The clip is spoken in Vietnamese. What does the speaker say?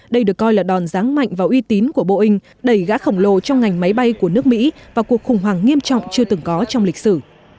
đây được coi là đòn ráng mạnh và uy tín của boeing đầy gã khổng lồ trong ngành máy bay của nước mỹ và cuộc khủng hoảng nghiêm trọng chưa từng có trong lịch sử